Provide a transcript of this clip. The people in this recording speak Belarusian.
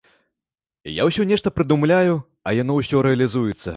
Я ўсё нешта прыдумляю, а яно ўсё рэалізуецца.